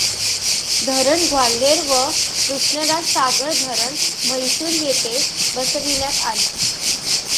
धरण ग्वाल्हेर व कृष्णराज सागर धरण म्हैसूर येथे बसविण्यात आली.